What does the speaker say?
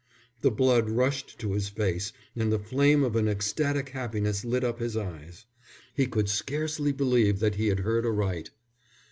The blood rushed to his face and the flame of an ecstatic happiness lit up his eyes. He could scarcely believe that he had heard aright.